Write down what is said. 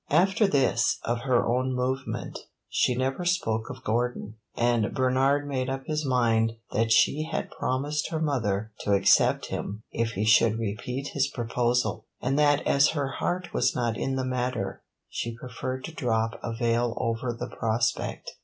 After this, of her own movement, she never spoke of Gordon, and Bernard made up his mind that she had promised her mother to accept him if he should repeat his proposal, and that as her heart was not in the matter she preferred to drop a veil over the prospect.